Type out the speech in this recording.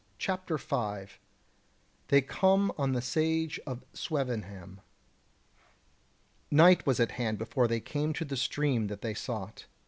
CHAPTER 5 They Come on the Sage of Swevenham Night was at hand before they came to the stream that they sought.